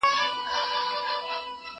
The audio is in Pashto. زه شګه نه پاکوم!!